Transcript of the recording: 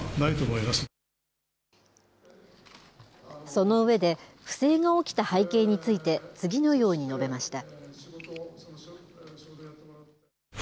その上で、不正が起きた背景について次のように述べました。